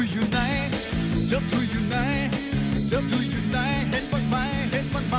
ว้าว